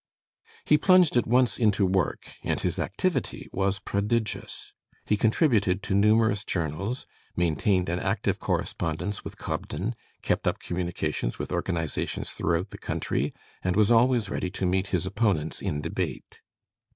He plunged at once into work, and his activity was prodigious. He contributed to numerous journals, maintained an active correspondence with Cobden, kept up communications with organizations throughout the country, and was always ready to meet his opponents in debate.